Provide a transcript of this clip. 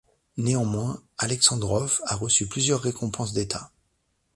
Néanmoins, Alexandrov a reçu plusieurs récompenses d'État.